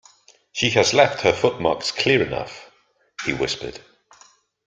"She has left her footmarks clear enough," he whispered.